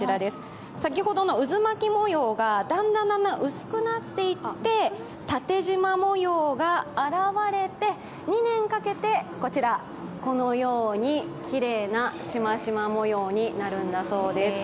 先ほどのうずまき模様がだんだん薄くなっていって縦じま模様が現れて、２年かけてこのようにきれいなしましま模様になるんだそうです。